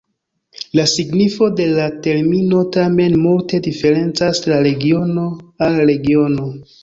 La signifo de la termino tamen multe diferencas de regiono al regiono.